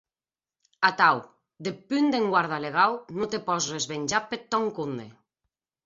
Atau, deth punt d’enguarda legau, non te pòs resvenjar peth tòn compde.